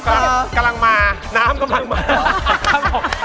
กำลังมาน้ำกำลังมา